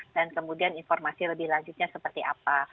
dan kemudian informasi lebih lanjutnya seperti apa